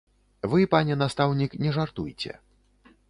Вы, пане настаўнік, не жартуйце.